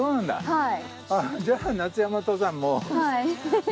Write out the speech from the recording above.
はい。